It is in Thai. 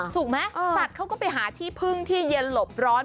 ถูกไหมสัตว์เขาก็ไปหาที่พึ่งที่เย็นหลบร้อน